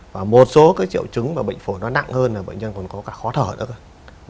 và một số cái triệu chứng và bệnh phổi nó nặng hơn là bệnh nhân còn có cả khó thở nữa hơn